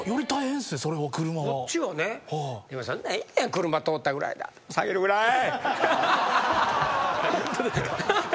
車通ったぐらいで頭下げるぐらい。